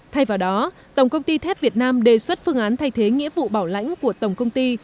thay vào đó tổng công ty thép việt nam đề xuất phương án thay thế nghĩa vụ bảo lãnh của tổng công ty